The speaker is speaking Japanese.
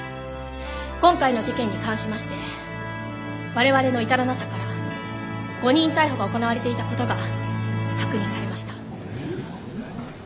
今回の事件に関しまして我々の至らなさから誤認逮捕が行われていたことが確認されました。